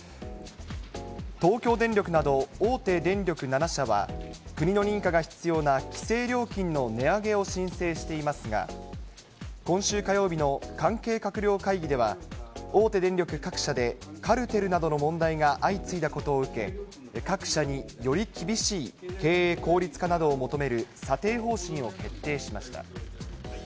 東京電力など大手電力７社は、国の認可が必要な規制料金の値上げを申請していますが、今週火曜日の関係閣僚会議では、大手電力各社でカルテルなどの問題が相次いだことを受け、各社により厳しい経営効率化などを求める査定方針を決定しました。